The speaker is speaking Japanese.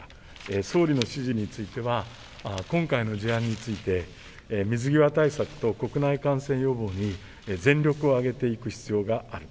総理の指示については今回の事案について水際対策と国内感染予防に全力を挙げていく必要がある。